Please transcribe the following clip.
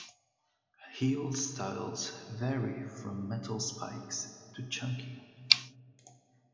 Heel styles vary from metal spikes to chunky.